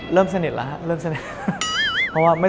เริ่มสนิทแล้วครับ